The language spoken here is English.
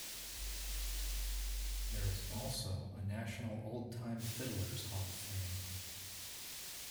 There is also a National Oldtime Fiddlers' Hall of Fame.